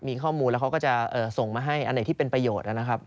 มีข้อมูลแล้วเขาก็จะส่งมาให้อันไหนที่เป็นประโยชน์นะครับ